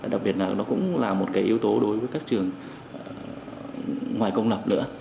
đặc biệt là nó cũng là một cái yếu tố đối với các trường ngoài công lập nữa